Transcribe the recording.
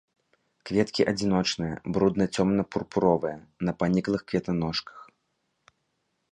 Кветкі адзіночныя, брудна-цёмна-пурпуровыя, на паніклых кветаножках.